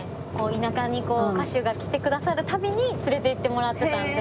田舎に歌手が来てくださる度に連れて行ってもらってたんで。